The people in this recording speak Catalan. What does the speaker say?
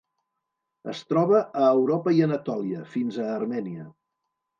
Es troba a Europa i Anatòlia fins a Armènia.